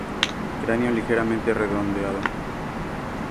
Cráneo ligeramente redondeado.